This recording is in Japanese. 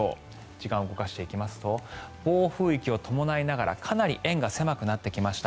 時間を動かしていきますと暴風域を伴いながらかなり円が狭くなってきました。